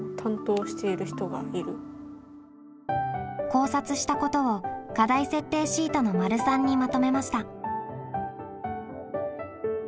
考察したことを課題設定シートの③にまとめました。